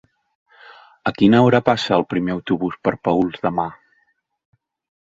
A quina hora passa el primer autobús per Paüls demà?